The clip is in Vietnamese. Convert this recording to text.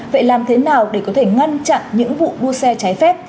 vậy làm thế nào để có thể ngăn chặn những vụ đua xe trái phép